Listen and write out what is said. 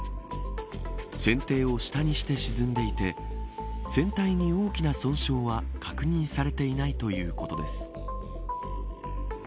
船底を下にして沈んでいて船体に大きな損傷は確認されていないということです。